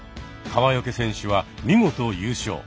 川除選手は見事優勝。